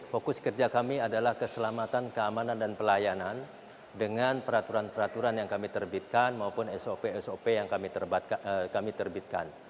fokus kerja kami adalah keselamatan keamanan dan pelayanan dengan peraturan peraturan yang kami terbitkan maupun sop sop yang kami terbitkan